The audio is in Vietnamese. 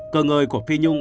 cờ ngời của phi nhung